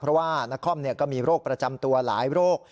เพราะว่านครก็มีโรคประจำตัวหลายโรค